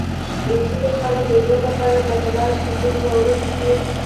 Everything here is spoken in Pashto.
ځینې خلک د ژوند لپاره په تلاش کې دومره ورک دي.